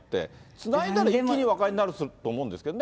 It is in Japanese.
つないだら一気に和解になると思うんですけどね。